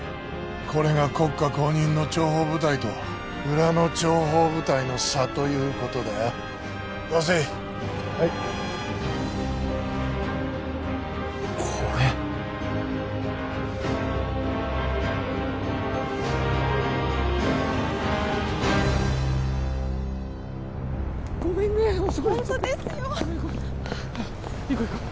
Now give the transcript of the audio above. これが国家公認の諜報部隊と裏の諜報部隊の差ということだよ出せ・はいこれごめんね遅くなってほんとですよごめんごめん行こう行こう